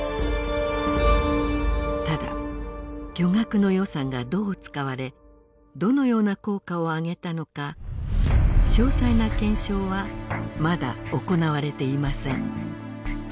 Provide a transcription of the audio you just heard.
ただ巨額の予算がどう使われどのような効果を上げたのか詳細な検証はまだ行われていません。